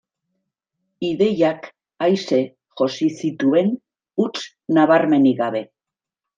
Ideiak aise josi zituen, huts nabarmenik gabe.